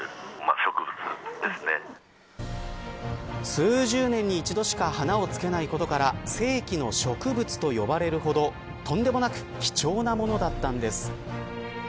数十年に一度しか花をつけないことから世紀の植物と呼ばれるほどとんでもなく貴重なものだったんです。